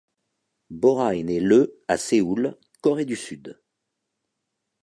Bora est née le à Séoul, Corée du Sud.